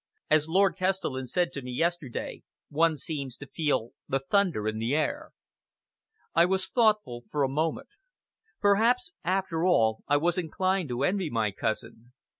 As Lord Kestelen said to me yesterday, one seems to feel the thunder in the air." I was thoughtful for a moment. Perhaps, after all, I was inclined to envy my cousin.